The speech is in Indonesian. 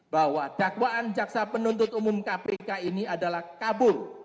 bahwa dakwaan jaksa penuntut umum kpk ini adalah kabur